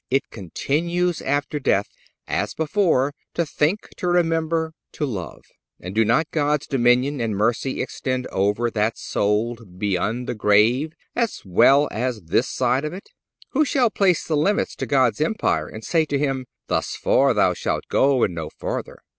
It continues after death, as before, to think, to remember, to love. And do not God's dominion and mercy extend over that soul beyond the grave as well as as this side of it? Who shall place the limits to God's empire and say to Him: "Thus far Thou shalt go and no farther?"